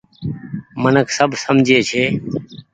منک سب سمجهي ڇي۔